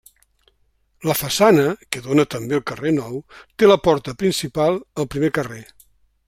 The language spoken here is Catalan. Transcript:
La façana, que dóna també al carrer Nou, té la porta principal al primer carrer.